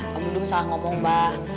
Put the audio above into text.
pak budung salah ngomong mbah